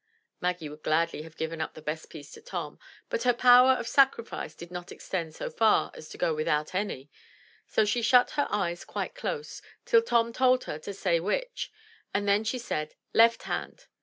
Maggie would gladly have given up the best piece to Tom, but her power of sacrifice did not extend so far as to go without any, so she shut her eyes quite close till Tom told her to "say which," and then she said, "Left hand."